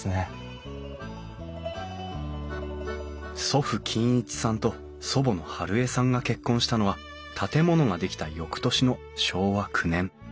祖父金一さんと祖母の春枝さんが結婚したのは建物が出来た翌年の昭和９年。